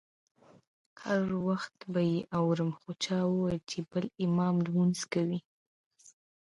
هر وخت به یې اورم خو چا وویل چې بل امام لمونځ ورکوي.